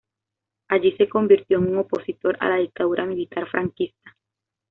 Allí se convirtió en un opositor a la dictadura militar franquista.